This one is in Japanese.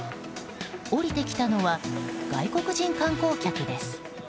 降りてきたのは外国人観光客です。